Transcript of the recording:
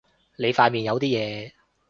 你塊面有啲嘢